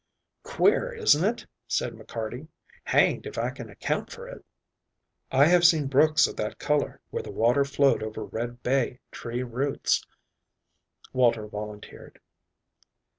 "Queer, isn't it?" said McCarty. "Hanged if I can account for it." "I have seen brooks of that color where the water flowed over red bay tree roots," Walter volunteered.